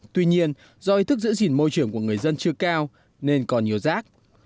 tuy nhiên do ý thức giữ gìn môi trường của người dân chưa cao nên còn nhiều rác